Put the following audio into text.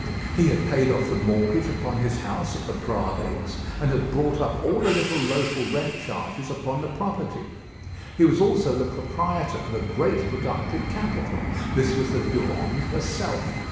He had paid off the mortgage upon his house at the Bravées, and had bought up all the little local rent charges upon the property. He was also the proprietor of a great productive capital. This was the Durande herself.